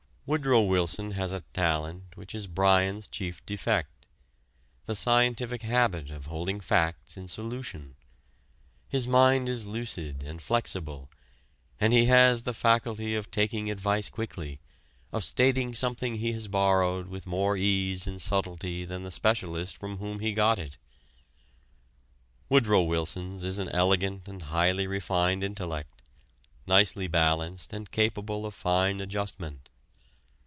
Woodrow Wilson has a talent which is Bryan's chief defect the scientific habit of holding facts in solution. His mind is lucid and flexible, and he has the faculty of taking advice quickly, of stating something he has borrowed with more ease and subtlety than the specialist from whom he got it. Woodrow Wilson's is an elegant and highly refined intellect, nicely balanced and capable of fine adjustment.